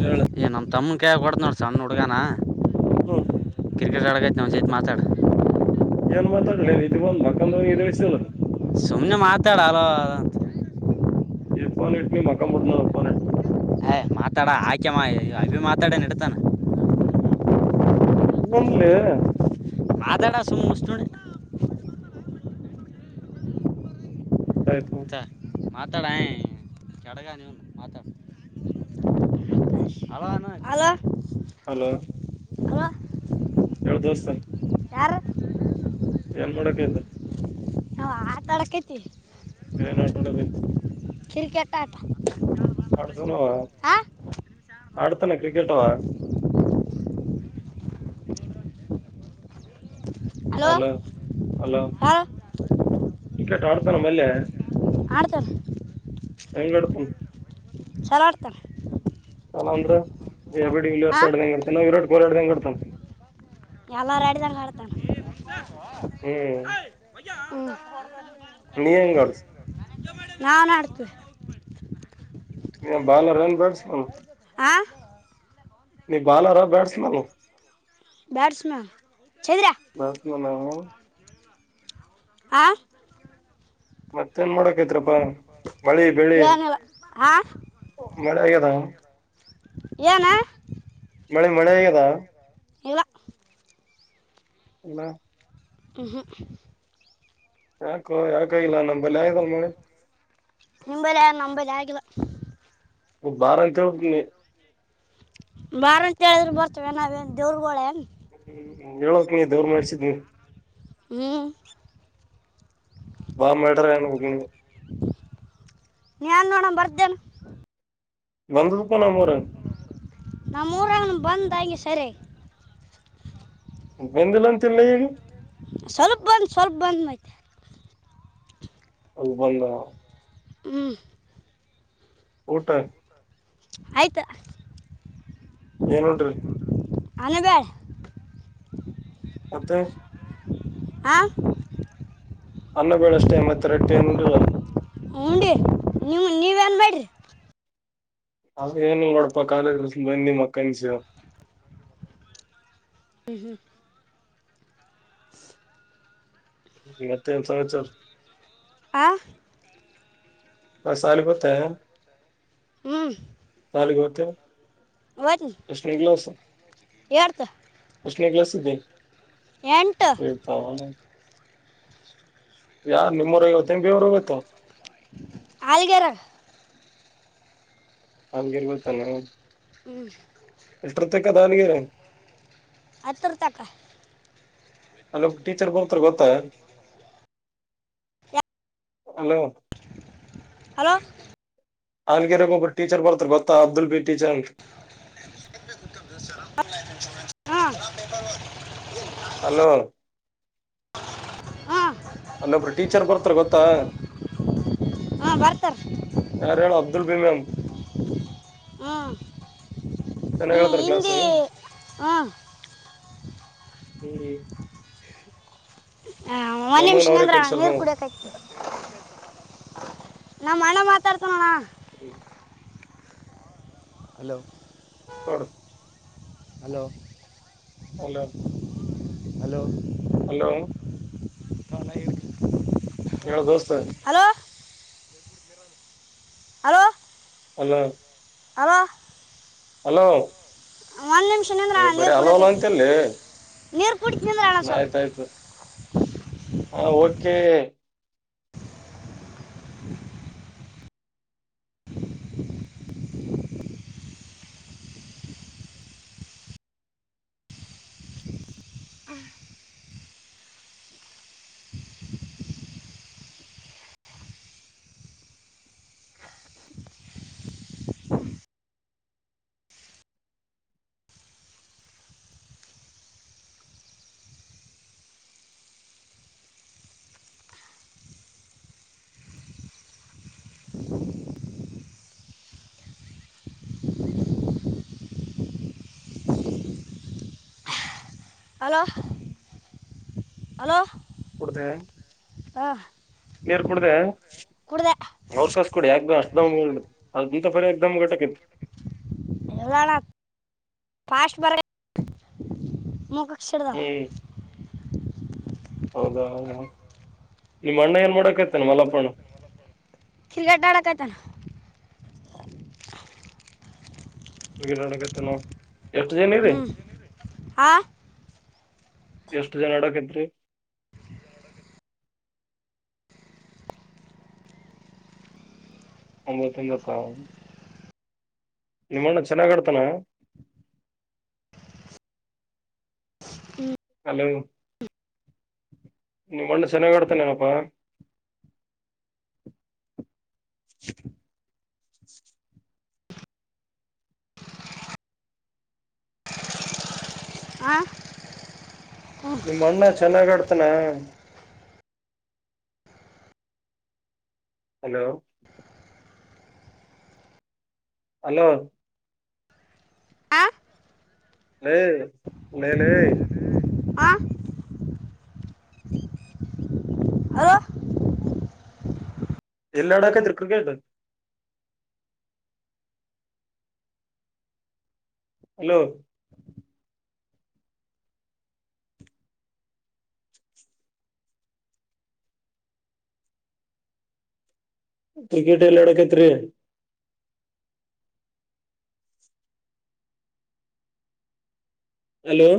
ಹೇಳ ಏ ನಮ್ಮ್ ತಮ್ಮಂಗ್ ಕೇ ಗೊಡ್ದೋಡು ಸಣ್ಣ ಹುಡುಗನ ಹ್ಮ್ ಕ್ರಿಕೆಟ್ ಆಡೋದೖತೆ ನಾವು ಜೊತೆ ಮಾತಾಡು. ಏನ್ ಮಾತಾಡ್ಲೆ ನಿದ್ದೆ ಬಂದ್ ಮಕ್ಕಂಡವ್ನ್ ಎದೆಳಿಸಿದಲ್ಲ. ಸುಮ್ಮ್ನೆ ಮಾತಾಡ್ ಹಲೋ ಹಲೋಂತ. ಏ ಪ್ಪೋನ್ ಇಟ್ಲಿ ಮಕ್ಕಂಬುಟ್ಳು ಫೋನ ಹ ಮಾತಾಡ ಆಯಕೆ ಮಾ ಅಭಿ ಮಾತಾಡನ ಹಿಟತನ. [unintelligible] ಮಾತಾಡೋ ಸುಮ್ ಮುಸ್ತ್ ನೋಡಿ. [unintelligible] ಮಾತಾಡೈ ಕೆಡಗಾನಿವ್ನು ಮಾತಾಡ್ [inaudible] ಅಲೋ. ಹಲೋ ಹೇಳ್ [unintelligible] ಯಾರು ಎನ್ ಮಾಡಕ [unintelligible] ನಾವು ಆಟ ಆಡಕತ್ತೀವಿ. ಏನ್ ಆತಡಾಕತ್ತಿ. [unintelligible] [unintelligible] ಹಾ ಆಡ್ತಾನ ಕ್ರಿಕೆಟ ಅವಾ. ಹಲೋ ಹಲೋ ಯಾರು ಕ್ರಿಕೆಟ್ ಆಡ್ತಾನ ಮಲ್ಯಾ. ಆಡ್ತಾನ. [unintelligible] ಚೊಲೋ ಆಡತನ. [unintelligible] ಎಬಿಡಿ ವಿಲರ್ಸ್ ಆಡದಂಗ್ ಆಡ್ತನ ವಿರಟ್ ಕೊಹ್ಲಿ ಆಡದಂಗ್ ಆಡ್ತ. [unintelligible] ಎಲ್ಲಾರು ಆಡಿದಂಗ ಆಡ್ತನ. ಹ್ಮ್ ಹ್ಮ ನಿಯಂಗ ಆಡ್ಸಿ. ನಾನ ಆಡ್ತಿ. ಬೌಲರ ಆ ಬ್ಯಾಟ್ಸಮನ್. ಆ ನೀ ಬಾಲರ ಬ್ಯಾಟ್ಸ್ಮನ. ಬ್ಯಾಟ್ಸ್ಮ್ಯಾನ [unintelligible] ಹಾ ಆ ಮತ್ತೇನ್ ಮಾಡಕ್. [unintelligible] ಮಳಿ ಬೆಳಿ ಏನಿಲ್ಲ ಹಾ ಮಳೆ ಆಗ್ಯಾದ. ಏನ? ಮಳೆ ಮಳಿ ಆಗದಾ ಇಲ್ಲ ಇಲ್ಲ. ಹ್ಮು ಹ್ಮು. ಯಾಕೋ ಯಾಕಾಗಿಲ್ಲನು [unintelligible] ನಿಂಬಲ್ಲ್ ಯಾರ್ ನಂಬದಾಯ್ ಇಲ ಓ ಬಾರ ಐತವ್ [unintelligible] ಬಾರಂತೇಳದ್ರ್ ಬರ್ತವೇನ್ ಅವೇನ್ ದೇವ್ರಗಳೆನ್? ಹ್ಮ ಹೇಳು. ನೀಯೇ ದೇವ್ರ್ ಮಾಡಸಿದ್ ನೀ ಹ್ಞೂ ಬಾ ಮೇಡರ್ ಏನ್ [unintelligible] ನ್ಯಾನ್ ನೋಡಂ ಬರ್ತೇಂ. ಬಂದ್ರುಪ್ಪ ನಮ್ಮೋರು. ನಮ್ಮ ಊರಾಗ ಬಂದು ಹಂಗೆ ಸರಿ ಬಂದಿಲ್ಲ ಅಂತಿಲ್ಲನ್ ನೀನು. ಸ್ವಲ್ಪ ಬಂದು ಸ್ವಲ್ಪ ಬಂದಮೈತೆ. ಅಲ್ಗೋಯಿಲ್ಲ. ಹ್ಮ್ ಊಟ. ಆಯ್ತು. ಏನ್ ಉಂಡ್ರಿ? ಅಣಬೆ. ಮತ್ತೆ? ಹ ಅನ್ನ ಬೇಳಷ್ಟೇ ಮತ್ತ್ ರೊಟ್ಟಿ ಏನಿಲ್ಲ್ದು. ಉಂಡ್ವಿ ನೀವ್ ನೀವೇನ್ ಮಾಡ್ರಿ? ಅದ ಏನಿಲ್ ನೋಡಪ ಕಾಲಸ ಬನ್ನಿ ಮಕ್ಕನ್ಸಿಯವ್ ಹುಂ [inaudible] ಮತ್ತೆನ್ ಸಮಚಾರ್? ಆ ಹ ಸಾಲಿಗೋತ್ತ? ಹ್ಮ ಸಾಲಿಗೆ ಹೊತ್ತಿ. ಹೊತ್ತಿ ಏಡ್ತು. ಫೆಕ್ಲಾಸ್ ಇದೆ. ಹೋಯ್ತಾವನು? ಯಾರ ನಿಮ್ಮುರೋಗ ಹೊತ ಬೇವರೋಗತ್ತ. ಹಲಗೇರೇಗ. ಹಮಗೆರ್ ಗೊತ್ತಲ್ಲ. ಹ್ಮ್ [unintelligible] ಹತ್ತರ ತಕ. ಅಲೋಬ್ ಟೀಚರ್ ಬರ್ತಾರ ಗೊತ್ತ ಹಲೋ. ಹಲೋ ಆನಗೇರಗ ಒಬ್ರು ಟಚರ್ ಬರ್ತರ ಗೊತ್ತ ಅಬ್ದುಲ್ ಬಿ ಟೀಚರ್ ಅಂತ. [unintelligible] ಅಲೋ ಹಾಂ ಅಲ್ಲೊಬ್ರು ಟೀಚರ್ ಬರ್ತಾರ ಗೊತ್ತಾ. ಹಾಂ ಬರ್ತಾರ. ಯಾರು ಹೇಳ ಅಬ್ದುಲ್ ಬೇಗಂ. ಹಾ ಚೆನ್ನಾಗ್ ಹ್ಮ್ ಹೇಳ್ತಾರ ಕ್ಲಾಸ್ ಹಿಂದಿ ಹ್ಮ್ ಹ್ಮ್. [unintelligible] ಎ ಒಂದ್ ನಿಮಷ ನಮಗನ್ ಅವರೇ ನಿಂದ್ರ ಕಲ್ಸರ್ ನೀರ್ ನಾವು ಕುಡಿಯಕತ್ತಿ. ನಮ್ಮ ಅಣ್ಣ ಮಾತಾಡ್ತಣ್ಣಣ. [unintelligible] ಹಲೋ ತೋರ್ಸ. ಹಲೋ ಹಲೋ ಹಲೋ ಹೇಳು ದೋಸ್ತ. Hello hello hello hello hello [inaudible] ನಿಂದ್ರ ಏ ಬರಿ ಹಲೋ ಹಲೋ ಅಂತಲ್ಲೇ. ನೀರ್. ಆಯ್ತಾಯ್ತು ಹ ಓಕೆ. ಹಲೋ ಹಲೋ ಕುಡ್ದೆ ಹಾಂ ನೀರ್ ಕುಡ್ದೆ ಕುಡ್ದೆ ಅವ್ಸ ಅವ್ಸ ಕುಡಿ ಯಾಕ ಬ. [unintelligible] ಆ ಗೀತಪರಿ ಏಕ್ಧಮ್ ಗಟ್ಟ ಇಲ್ಲಾಣ್ಣ. ಫಾಸ್ಟ್ ಬರೆ ಮು ಸಿಡಧಾವ್ ಹ್ಮ್ ಹೌದಾ ಹ ನಿಮ್ಮಣ್ಣ ಏನ್ ಮಾಡ್ ಕಿರ್ತ ಮಲಪ್ಪಣ್ಣ ಕ್ರಿಕೆಟ್ ಆಡಕೈತಾನ [inaudible] ಟಿವಿ ನೋಡಕತ್ತಿನವ. ಹ್ಮ್ ಆ ಎಷ್ಟು ಜನ್ ಆಡಕತ್ತೀರಿ. [unintelligible] ನಿಮ್ಮಣ್ಣ ಚೆನ್ನಾಗಾಡ್ತಾನ? ಹಲೋ ನಿಮ್ಮಣ್ಣ ಚೆನ್ನಾಗಾಡ್ತಾನೇನಪ್ಪಾ? [inaudible] ಹ ನಿಮ್ಮಣ್ಣ ಚೆನ್ನಾಗಾಡ್ತನ? ಹಲೋ ಹಲೋ ಹಾಂ ಲೇ ಲೆ ಲೇ. ಹಾಂ ಆ ಎಲ್ಲಾಡಕತ್ತೀರ್ ಕ್ರಿಕೆಟು? ಹಲೋ ಕ್ರಿಕೆಟ್ ಎಲ್ಲಾಡಕೈತ್ರಿ. Hello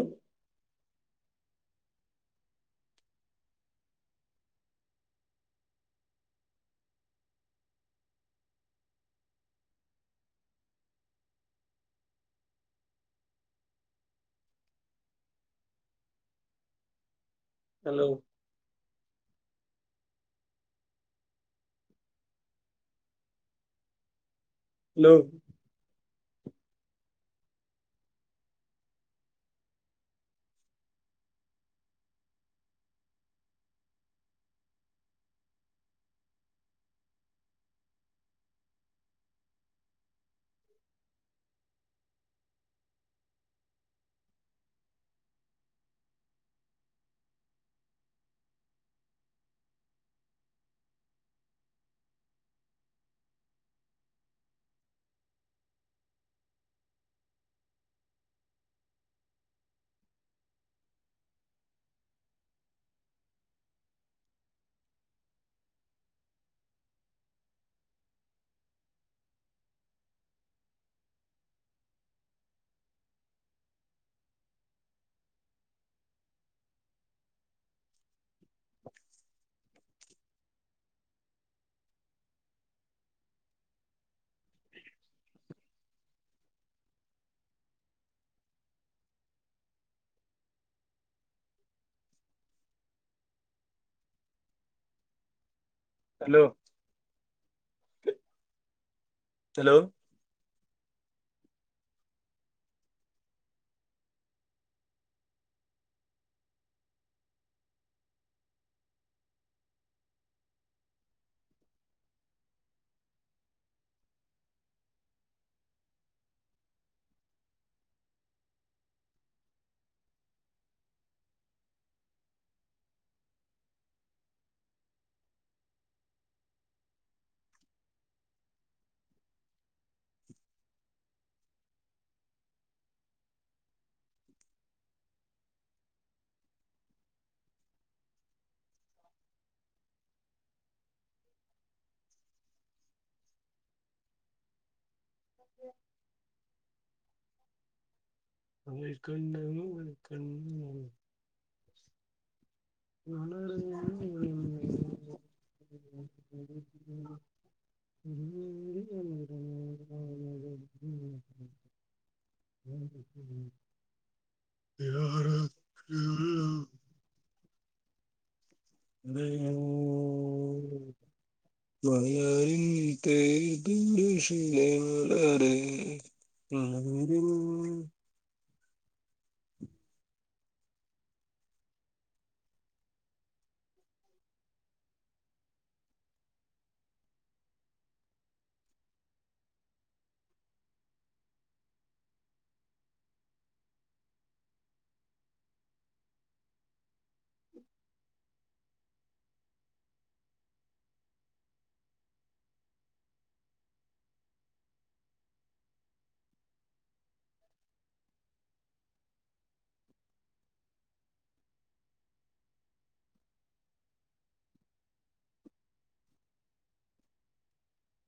hello hello [inaudible] hello hello [inaudible] [unintelligible] [unintelligible] ಆ ಅದೋ ಬಯಯಿಂತೆ [unintelligible] ದಶಲ್ಲರೆ ಮ